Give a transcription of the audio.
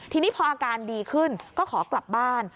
ทีนี้พออาการดีขึ้นก็ขอกลับบ้าน